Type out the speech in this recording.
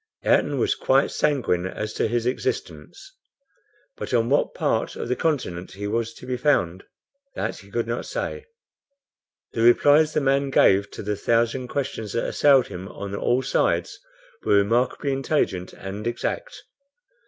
Ayrton was quite sanguine as to his existence; but on what part of the continent he was to be found, that he could not say. The replies the man gave to the thousand questions that assailed him on all sides were remarkably intelligent and exact.